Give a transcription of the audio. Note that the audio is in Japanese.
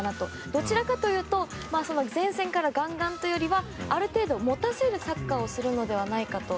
どちらかというと前線からガンガンというよりはある程度、持たせるサッカーをするのではないかと。